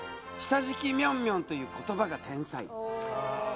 「下敷きミョンミョンという言葉が天才！」